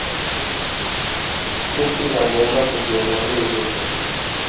kuki nagomba kugenda nijimye